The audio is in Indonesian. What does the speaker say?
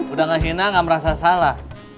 udah ngehina gak merasa salah